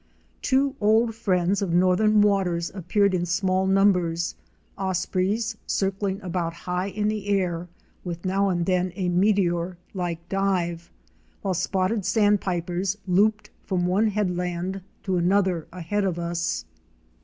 Two old friends of northern waters appeared in small numbers, Ospreys" circling about high in the air with now and then a meteor like dive, while Spotted Sandpipers " looped from one headland to another ahead of us.